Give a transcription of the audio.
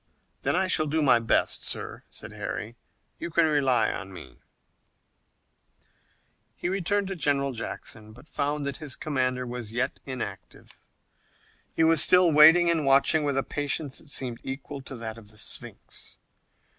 "Then I shall do my best, sir," said Harry. "You can rely upon me" He returned to General Jackson, but found that his commander was yet inactive. He was still waiting and watching with a patience that seemed equal to that of the Sphinx.